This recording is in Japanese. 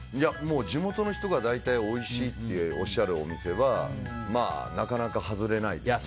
地元の人が大体おいしいっておっしゃるお店はなかなか外れないので。